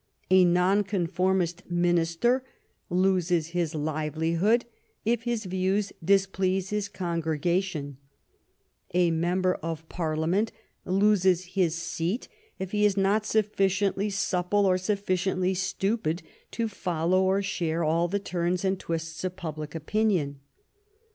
A Nonconformist minister loses his livelihood if his views displease his congregation; a member of Parliament loses his seat if he is not sufficiently supple or sufficiently stupid to follow or share all the turns and twists of public opinion.